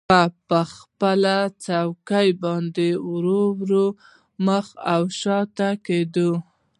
هغه په خپله څوکۍ باندې ورو ورو مخ او شا کیده